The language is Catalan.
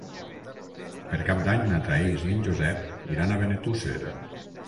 Per Cap d'Any na Thaís i en Josep iran a Benetússer.